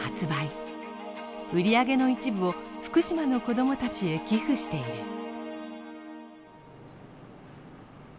売り上げの一部を福島の子どもたちへ寄付している。